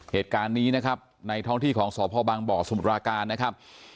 เหตุการณ์นี้นะครับในท้องที่ของสพบังบ่อสมุทรปราการนะครับ